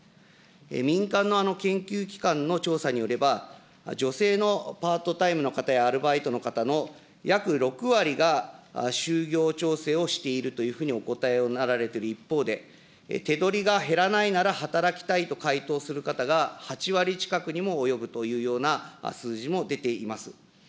民間の研究機関の調査によれば、女性のパートタイムの方や、アルバイトの方の約６割が就業調整をしているというふうにお答えになられている一方で、手取りが減らないなら、働きたいと回答する方が８割近くにも及ぶというような数字も出ています。